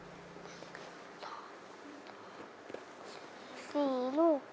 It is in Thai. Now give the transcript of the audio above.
๔รูป